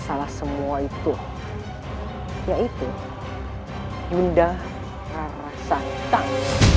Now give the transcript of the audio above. salah semua itu yaitu yunda rarasa tang